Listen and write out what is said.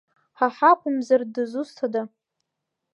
Ҳа ҳакәымзар, дызусҭа?